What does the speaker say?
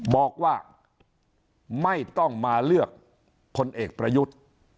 บอกว่าไม่ต้องมาเลือกพลเอกประยุทธ์